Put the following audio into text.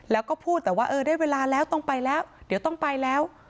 แล้วก็พูดแต่ว่าเออได้เวลาแล้วต้องไปแล้วเดี๋ยวต้องไปแล้ว